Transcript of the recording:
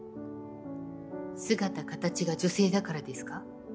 姿形が女性だからですか？